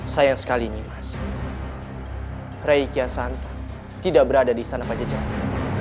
sayang sekali nyimas rai kian santang tidak berada di sana panjang jalan